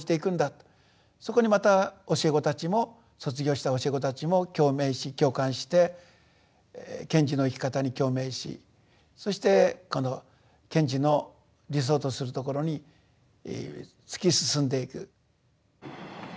そこにまた教え子たちも卒業した教え子たちも共鳴し共感して賢治の生き方に共鳴しそしてこの賢治の理想とするところに突き進んでいく。